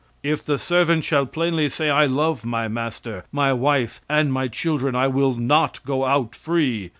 "And if the servant shall plainly say, I love my master, my wife, and my children; I will not go out free.